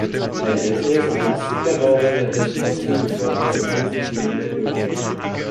Ein älteres in massiver Bauweise errichtetes Schulgebäude befand sich neben der Kirche.